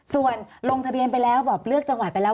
ส่วนลงทะเบียนไปแล้วแบบเลือกจังหวัดไปแล้ว